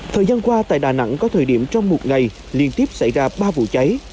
thời gian qua tại đà nẵng có thời điểm trong một ngày liên tiếp xảy ra ba vụ cháy